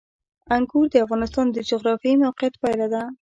انګور د افغانستان د جغرافیایي موقیعت پایله ده.